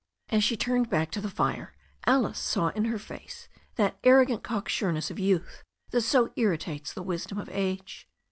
As she turned back to the fire Alice saw in her face that arrogant cocksureness of youth that so irritates the wisdom of age.